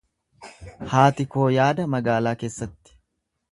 Haati koo yaada magaalaa keessatti.